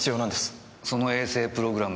その衛星プログラム